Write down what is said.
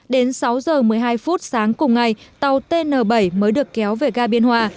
đến sáu giờ một mươi hai phút sáng cùng ngày tàu tn bảy mới được kéo về ga biên hòa